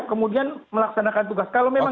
kemudian melaksanakan tugas kalau memang